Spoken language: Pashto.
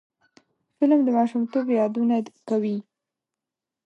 فلم د ماشومتوب یادونه کوي